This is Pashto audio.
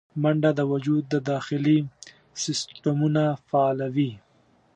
منډه د وجود داخلي سیستمونه فعالوي